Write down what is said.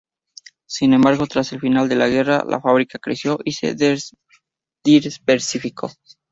Sin embargo tras el final de la guerra, la fábrica creció y se diversificó.